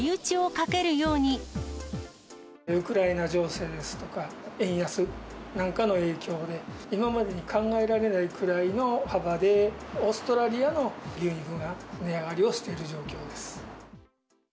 ウクライナ情勢ですとか、円安なんかの影響で、今までに考えられないくらいの幅で、オーストラリアの牛肉が値上がりをしている状況です。